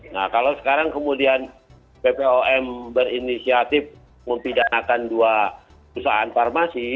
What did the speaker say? nah kalau sekarang kemudian bpom berinisiatif mempidanakan dua perusahaan farmasi